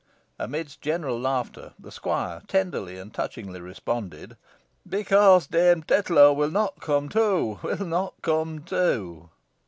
Amidst general laughter, the squire tenderly and touchingly responded "Because Dame Tetlow will not come to will not come to."